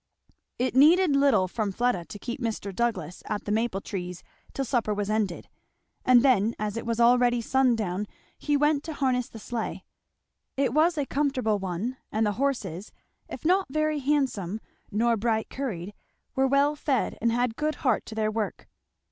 It needed little from Fleda to keep Mr. Douglass at the maple trees till supper was ended; and then as it was already sundown he went to harness the sleigh. It was a comfortable one, and the horses if not very handsome nor bright curried were well fed and had good heart to their work.